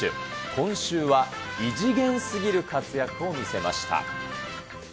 今週は異次元すぎる活躍を見せました。